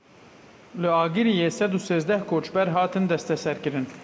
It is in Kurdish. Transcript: Li Agiriyê sed û sêzdeh koçber hatin desteserkirin.